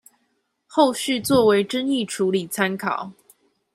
後續作為爭議處理參考